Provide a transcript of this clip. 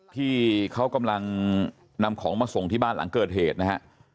ที่เขากำลังนำของมาส่งที่บ้านหลังเกิดเหตุนะฮะ